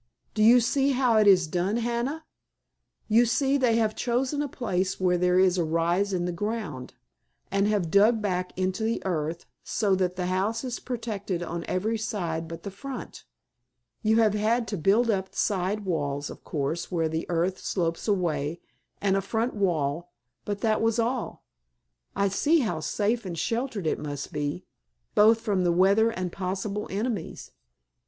"Do you see how it is done, Hannah? You see they have chosen a place where there is a rise in the ground, and have dug back into the earth so that the house is protected on every side but the front. You have had to build up side walls, of course, where the earth slopes away, and a front wall, but that was all. I see how safe and sheltered it must be, both from weather and possible enemies."